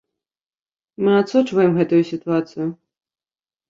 Мы адсочваем гэтую сітуацыю.